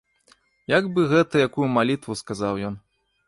Як бы гэта якую малітву сказаў ён.